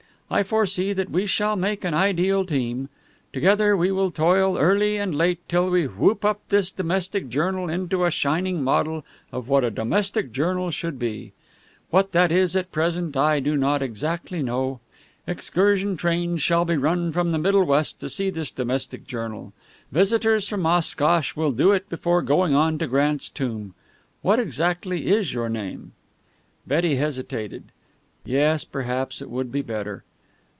I foresee that we shall make an ideal team. Together, we will toil early and late till we whoop up this domestic journal into a shining model of what a domestic journal should be. What that is, at present, I do not exactly know. Excursion trains will be run from the Middle West to see this domestic journal. Visitors from Oshkosh will do it before going on to Grant's tomb. What exactly is your name?" Betty hesitated. Yes, perhaps it would be better.